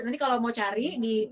nanti kalau mau cari